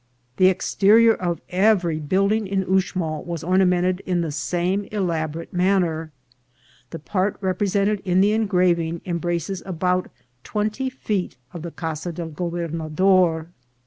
The exterior of every building in Uxmal was orna mented in the same elaborate manner. The part rep resented in the engraving embraces about twenty feet of the Casa del Gobernador.